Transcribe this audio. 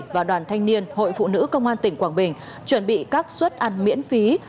và đoàn thanh niên hội phụ nữ công an tỉnh quảng bình chuẩn bị